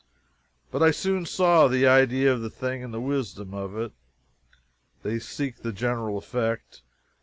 But I soon saw the idea of the thing and the wisdom of it. They seek the general effect.